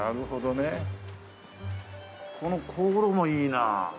この香炉もいいな。